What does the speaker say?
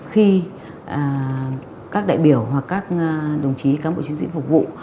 khi các đại biểu hoặc các đồng chí cán bộ chiến sĩ phục vụ